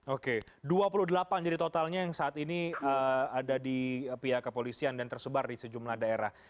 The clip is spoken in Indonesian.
oke dua puluh delapan jadi totalnya yang saat ini ada di pihak kepolisian dan tersebar di sejumlah daerah